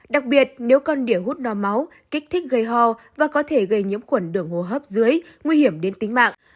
đặc biệt nếu con đỉa hút no máu kích thích gây ho và có thể gây nhiễm khuẩn đường hô hấp dưới nguy hiểm đến tính mạng